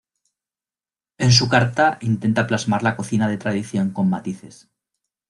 En su carta intenta plasmar la cocina de tradición con matices.